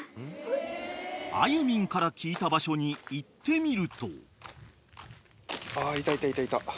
んから聞いた場所に行ってみると］